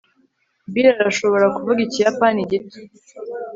bill arashobora kuvuga ikiyapani gito